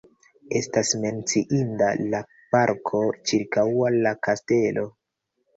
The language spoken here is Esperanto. Estas menciinda la parko ĉirkaŭ la kastelo.